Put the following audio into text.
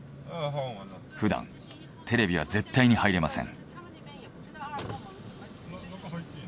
普段テレビは絶対に入れません。